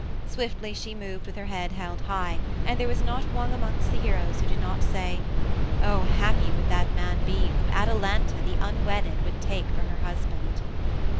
Swiftly she moved with her head held high, and there was not one amongst the heroes who did not say, "Oh, happy would that man be whom Atalanta the unwedded would take for her husband!"